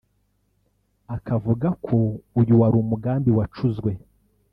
akavuga ko uyu wari umugambi wacuzwe